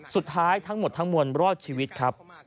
สุดท้ายทั้งหมดทั้งมวลรอดชีวิตครับ